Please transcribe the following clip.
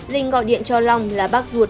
linh gọi điện cho long là bác ruột